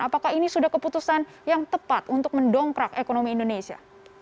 apakah ini sudah keputusan yang tepat untuk mendongkrak ekonomi indonesia